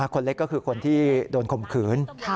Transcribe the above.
คนเล็กก็คือคนที่โดนข่มขืน